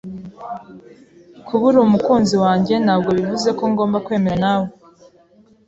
Kuba uri umukunzi wanjye ntabwo bivuze ko ngomba kwemeranya nawe.